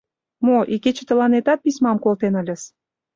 Мо, икече тыланетат письмам колтен ыльыс.